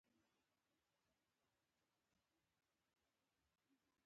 باسواده ښځې د معماری په برخه کې طرحې جوړوي.